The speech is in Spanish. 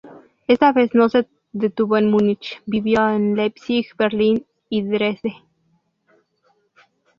Esta vez no se detuvo en Múnich: vivió en Leipzig, Berlín y Dresde.